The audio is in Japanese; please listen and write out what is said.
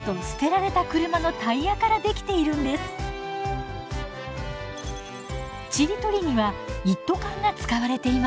ちりとりには一斗缶が使われていました。